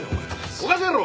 おかしいやろ。